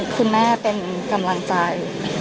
คุณแม่เป็นกำลังใจ